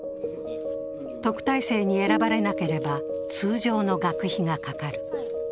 特待生に選ばれなければ通常の学費がかかる。